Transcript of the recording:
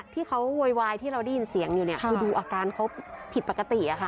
โวยวายที่เราได้ยินเสียงอยู่เนี่ยคือดูอาการเขาผิดปกติอะค่ะ